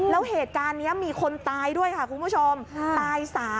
แล้วเหตุการณ์นี้มีคนตายด้วยค่ะคุณผู้ชมตาย๓